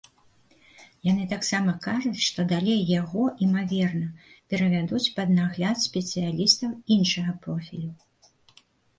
Яны таксама кажуць, што далей яго, імаверна, перавядуць пад нагляд спецыялістаў іншага профілю.